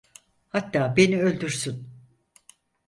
Hatta beni öldürsün.